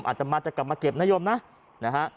อาจจะมาจะกลับมาเก็บนโยมนะนะฮะ